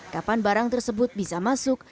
kapan barang tersebut bisa masuk